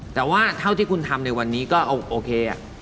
แต่ว่าเท่าที่คุณทำในวันนี้ก็โอเค